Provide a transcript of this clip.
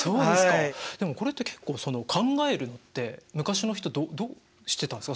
でもこれって結構考えるのって昔の人どうしてたんですか？